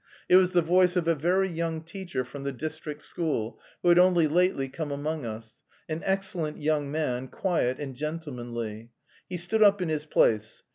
It was the voice of a very young teacher from the district school who had only lately come among us, an excellent young man, quiet and gentlemanly. He stood up in his place.